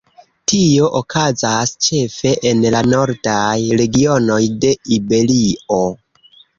Tio okazas ĉefe en la nordaj regionoj de Iberio.